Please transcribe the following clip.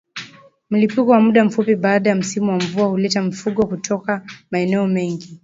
Mlipuko wa muda mfupi baada ya msimu wa mvua huleta mifugo kutoka maeneo mengine